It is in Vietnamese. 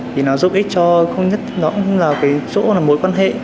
thì nó giúp ích cho không nhất là chỗ mối quan hệ